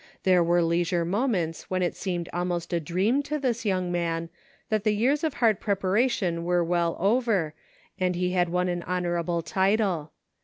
There were leisure moments when it seemed almost a dream to this young man that the years of hard preparation were well over, and he had won an honorable title.